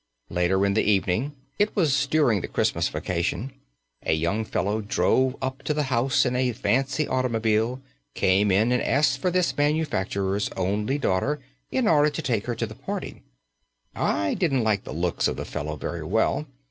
Later in the evening it was during the Christmas vacation a young fellow drove up to the house in a fancy automobile, came in and asked for this manufacturer's only daughter in order to take her to a party. I didn't like the looks of the fellow very well.